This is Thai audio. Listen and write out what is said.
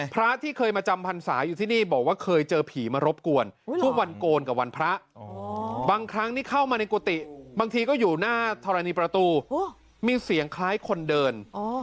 พระที่มาจำพันศาอยู่ที่นี่เนี่ยเคย